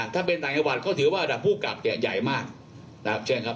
ถ้าเป็นต่างจังหวัดเขาถือว่าระดับผู้กลับเนี่ยใหญ่มากนะครับเช่นครับ